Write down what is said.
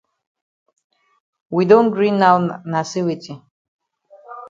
We don gree now na say weti?